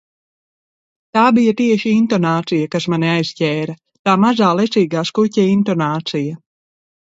Tā bija tieši intonācija, kas mani aizķēra, tā mazā, lecīgā skuķa intonācija!